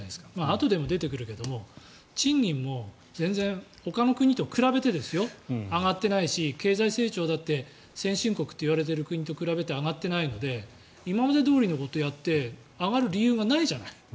あとでも出てくるけれど賃金も全然ほかの国と比べてですよ上がっていないし経済成長だって先進国と言われている国に比べて上がっていないので今までどおりのことをやって上がる理由がないじゃない。